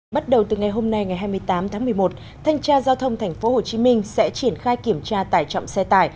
bắt đầu từ ngày hôm nay ngày hai mươi tám tháng một mươi một thanh tra giao thông tp hcm sẽ triển khai kiểm tra tải trọng xe tải